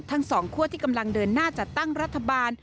ทั้งสองคั่วที่กำลังเดินหน้าจัดตั้งรัฐบาล